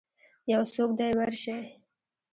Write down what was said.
یوڅوک دی ورشئ